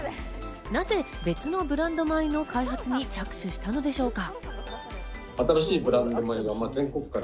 なぜ別のブランド米の開発に着手したのでしょうか？